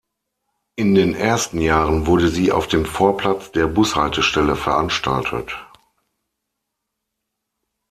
In den ersten Jahren wurde sie auf dem Vorplatz der Bushaltestelle veranstaltet.